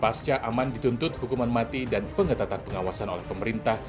pasca aman dituntut hukuman mati dan pengetatan pengawasan oleh pemerintah